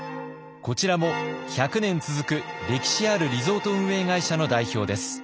こちらも１００年続く歴史あるリゾート運営会社の代表です。